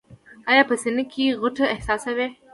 ایا په سینه کې غوټه احساسوئ؟